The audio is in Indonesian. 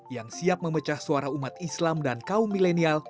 yang siap memecah suara umat islam dan kaum milenial